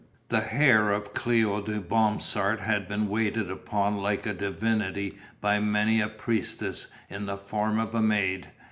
The hair of Cléo de Bromsart had been waited upon like a divinity by many a priestess in the form of a maid.